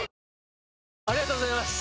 ありがとうございます！